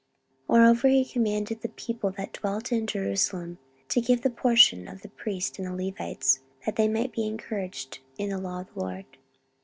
14:031:004 Moreover he commanded the people that dwelt in Jerusalem to give the portion of the priests and the Levites, that they might be encouraged in the law of the LORD.